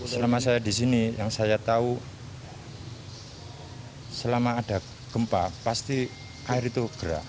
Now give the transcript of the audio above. selama saya di sini yang saya tahu selama ada gempa pasti air itu gerak